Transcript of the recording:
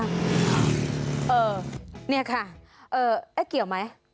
เนี่ยค่ะเอ๊ะเกี่ยวไหม